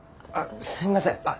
あっすいません。